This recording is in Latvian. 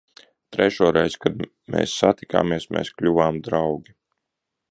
Trešo reizi, kad mēs satikāmies, mēs kļuvām draugi.